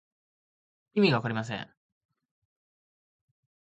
意味がわかりません。